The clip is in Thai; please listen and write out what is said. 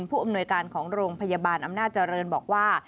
ผู้อำนวยการของโรงพยาบาลอำนาจเจริญบอกว่า